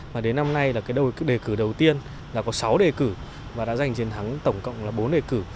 và đến năm nay là cái đề cử đầu tiên là có sáu đề cử và đã giành chiến thắng tổng cộng là bốn đề cử